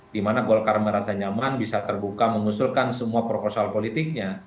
dimana golkar merasa nyaman bisa terbuka mengusulkan semua proposal politiknya